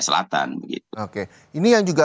selatan begitu oke ini yang juga